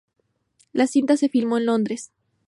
La cinta se filmó en Londres.